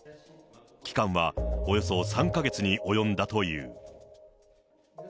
期間はおよそ３か月に及んだという。